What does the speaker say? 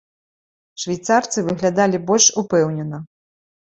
Швейцарцы выглядалі больш упэўнена.